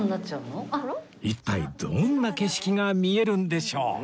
一体どんな景色が見えるんでしょう？